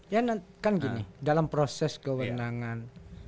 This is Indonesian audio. ya kan gini dalam proses kewenangan